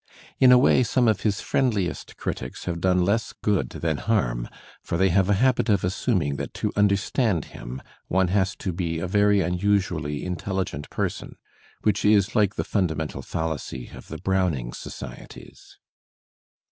In a way some of his friendUest critics have done less good than harm, for they have a habit of assuming that to under stand him one has to be a veiy unusually intelligent person,} which is like the fundamental fallacy of the BrowningX societies.